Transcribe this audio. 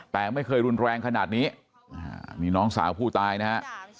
แต่ไม่เคยรุนแรงขนาดนี้นี่น้องสาวผู้ตายนะฮะ